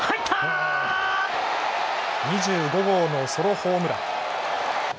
２５号のソロホームラン。